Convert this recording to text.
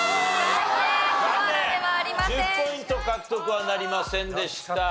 １０ポイント獲得はなりませんでした。